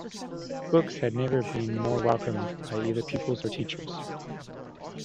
Books had never been more welcomed by either pupils or teachers.